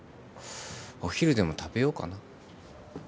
お昼でも食べようかな。